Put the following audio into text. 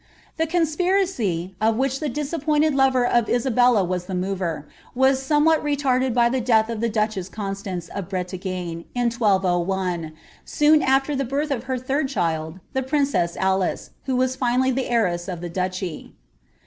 The conspiracy, of which the disappointed lover of Isabella was iht niover, was somewhat retarded by the death of the duehese ConctuU^ of Brelagne, in 1201, soon after the birth of her tbiid child, the princn Alice, who was finally the heiress of the duchy.